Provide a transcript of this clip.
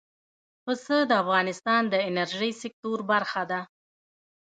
پسه د افغانستان د انرژۍ سکتور برخه ده.